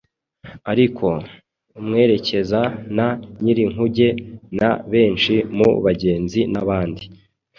Ariko “umwerekeza na nyir’inkuge” na benshi mu bagenzi n’abandi